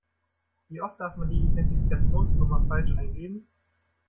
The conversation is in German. Wie oft darf man die Identifikationsnummer falsch eingeben?